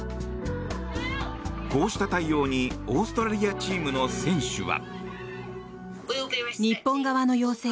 こうした対応にオーストラリアチームの選手は。